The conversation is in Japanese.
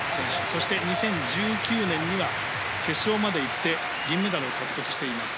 そして２０１９年には決勝まで行って銀メダルを獲得しています。